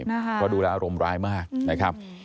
เพราะดูแลอารมณ์ร้ายมาก